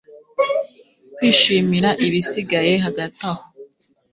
kwishimira ibisigaye Hagati aho